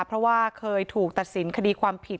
เพราะว่าเคยถูกตัดสินคดีความผิด